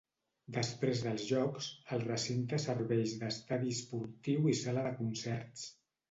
Després dels Jocs, el recinte serveix d'estadi esportiu i sala de concerts.